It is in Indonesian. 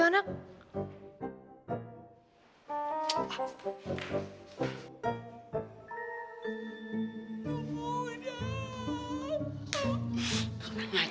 sayangnya tidak bisa sedang njawab